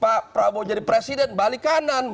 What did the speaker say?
pak prabowo jadi presiden balik kanan